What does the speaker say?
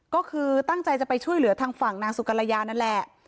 ก็คือตั้งใจจะไปช่วยเหลือทางฝั่งนางสุกรยานั่นแหละ